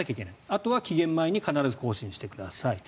あとは期限前に必ず更新してくださいと。